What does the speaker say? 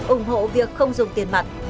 ủng hộ việc không dùng tiền mặt